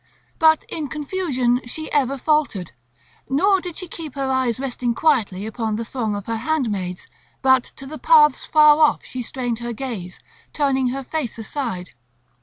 But in confusion she ever faltered, nor did she keep her eyes resting quietly upon the throng of her handmaids; but to the paths far off she strained her gaze, turning her face aside.